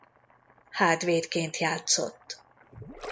Hátvédként játszott.